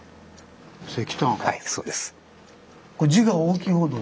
はいそうです。